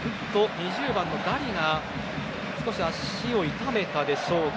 ２０番のダリが少し足を痛めたでしょうか。